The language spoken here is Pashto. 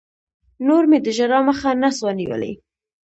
نور مې د ژړا مخه نه سوه نيولى.